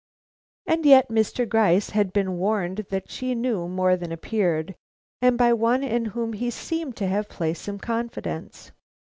And yet Mr. Gryce had been warned that she knew more than appeared, and by one in whom he seemed to have placed some confidence!